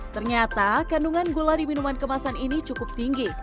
ternyata kandungan gula di minuman kemasan ini cukup tinggi